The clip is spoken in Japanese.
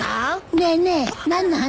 ねえねえ何の話？